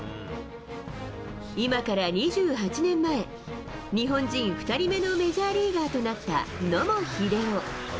今から２８年前、日本人２人目のメジャーリーガーとなった野茂英雄。